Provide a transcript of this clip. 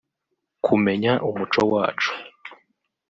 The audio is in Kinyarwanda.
kumenya umuco wacu